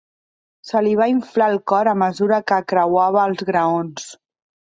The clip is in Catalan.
Se li va inflar el cor a mesura que creuava els graons.